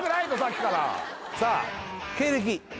さあ経歴